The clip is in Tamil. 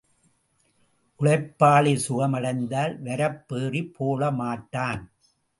உழைப்பாளி சுகம் அடைந்தால் வரப்பு ஏறிப் பேளமாட்டான்.